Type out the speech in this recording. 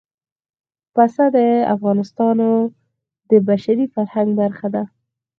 پسه د افغانستان د بشري فرهنګ برخه ده.